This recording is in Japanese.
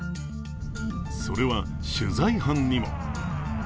それは取材班にも。